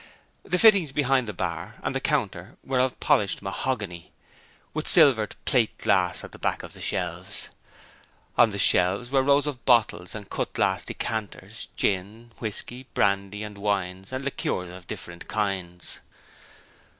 The fittings behind the bar, and the counter, were of polished mahogany, with silvered plate glass at the back of the shelves. On the shelves were rows of bottles and cut glass decanters, gin, whisky, brandy and wines and liqueurs of different kinds.